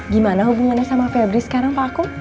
gimana hubungannya sama febri sekarang pak aku